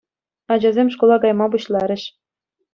Ачасем шкула кайма пуҫларӗҫ.